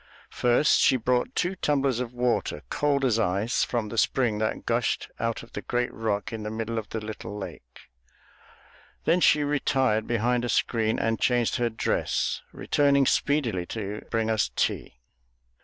First she brought two tumblers of water, cold as ice, from the spring that gushed out of a great rock in the middle of the little lake. Then she retired behind a screen and changed her dress, returning speedily to bring us tea.